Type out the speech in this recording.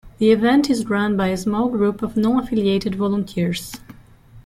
The event is run by a small group of non affiliated volunteers.